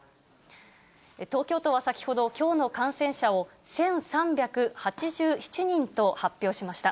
東京都は先ほど、きょうの感染者を１３８７人と発表しました。